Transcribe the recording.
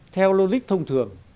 theo logic thông thường